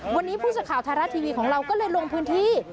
วันนี้ผู้สื่อข่าวไทยรัฐทีวีของเราก็เลยลงพื้นที่